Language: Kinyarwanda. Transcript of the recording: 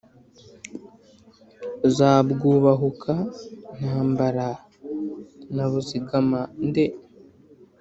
za bwubahuka-ntambara na buzigama-nde